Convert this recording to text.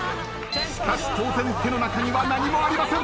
しかし当然手の中には何もありません。